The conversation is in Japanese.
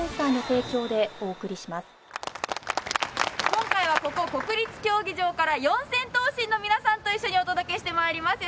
今回はここ国立競技場から四千頭身の皆さんと一緒にお届けして参ります。